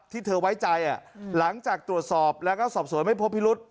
เธอไว้ใจหลังจากตรวจสอบแล้วก็สอบสวนไม่พบพิรุษ